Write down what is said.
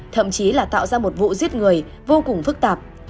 thậm chí là tạo ra một vụ giết người vô cùng phức tạp